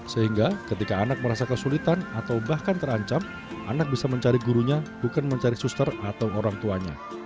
sehingga ketika anak merasa kesulitan atau bahkan terancam anak bisa mencari gurunya bukan mencari suster atau orang tuanya